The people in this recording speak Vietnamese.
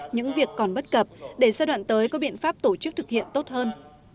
những việc còn bất cập để giai đoạn tới có biện pháp tổ chức thực hiện tốt hơn